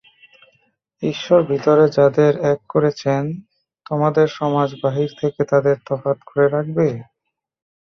ঈশ্বর ভিতরে যাদের এক করেছেন তোমাদের সমাজ বাহির থেকে তাদের তফাত করে রাখবে?